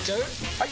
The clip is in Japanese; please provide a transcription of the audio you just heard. ・はい！